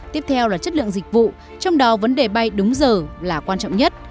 tiếp theo là chất lượng dịch vụ trong đó vấn đề bay đúng giờ là quan trọng nhất